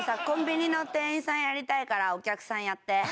コンビニの店員さんやりたいからお客さんやって。